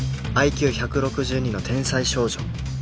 ＩＱ１６２ の天才少女